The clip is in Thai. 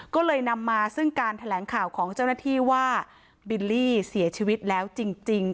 ก็เลยนำมาซึ่งการแถลงข่าวของเจ้าหน้าที่ว่าบิลลี่เสียชีวิตแล้วจริง